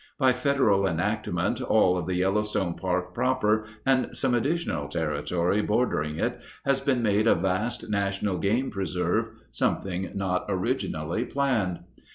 By federal enactment all of the Yellowstone Park proper and some additional territory bordering it has been made a vast national game preserve, something not originally planned.